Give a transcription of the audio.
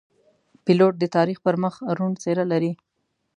پیلوټ د تاریخ پر مخ روڼ څېره لري.